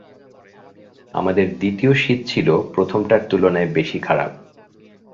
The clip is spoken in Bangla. আমাদের দ্বিতীয় শীত ছিল প্রথমটার তুলনায় বেশি খারাপ।